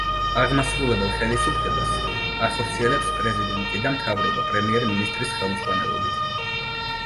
აღმასრულებელ ხელისუფლებას ახორციელებს პრეზიდენტი და მთავრობა პრემიერ-მინისტრის ხელმძღვანელობით.